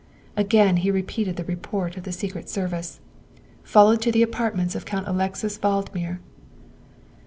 Again he repeated the report of the Secret Service. "Followed to the apartments of Count Alexis Vald mir.